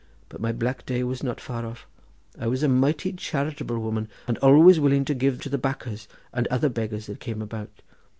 But my black day was not far off. I was a mighty charitable woman, and always willing to give to the bacahs and other beggars that came about.